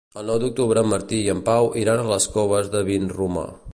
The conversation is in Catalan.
El nou d'octubre en Martí i en Pau iran a les Coves de Vinromà.